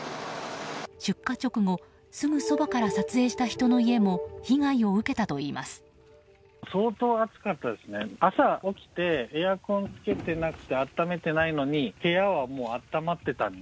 出火直後すぐそばから撮影した人の家も被害を受けたといいます。